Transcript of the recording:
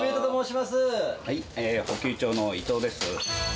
補給長の伊藤です。